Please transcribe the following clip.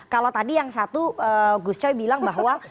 kalau tadi yang satu gus coy bilang bahwa